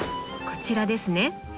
こちらですね。